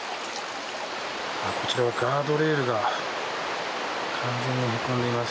こちらはガードレールが完全にへこんでいます。